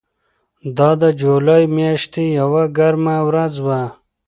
دا د جولای میاشتې یوه ګرمه ورځ وه.